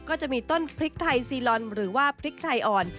ก็จะมีต้นพริกไทยซีลอนหรือว่าพริกไทยอ่อน